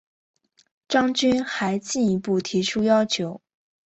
张军还进一步提出要求